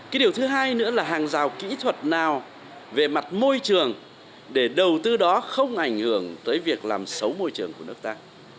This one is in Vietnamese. cái điều thứ hai nữa là hàng rào kỹ thuật nào về mặt môi trường để đầu tư đó không ảnh hưởng tới việc làm xấu môi trường của nước ta